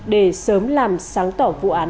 để sớm làm sáng tỏ vụ án